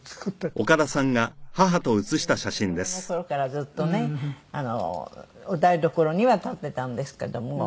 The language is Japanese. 子どもの頃からずっとねあのお台所には立ってたんですけども。